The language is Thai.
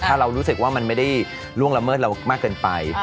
ถ้าเรารู้สึกว่ามันไม่ได้ล่วงละเมิดเรามากเกินไป